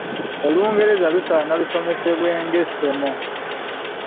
“Olungereza lusaana lusomesebwe ng’essomo